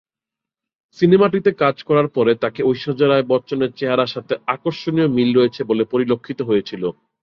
সিনেমাটিতে কাজ করার পরে তাকে ঐশ্বর্যা রাই বচ্চন এর চেহারার সাথে আকর্ষণীয় মিল রয়েছে বলে পরিলক্ষিত হয়েছিল।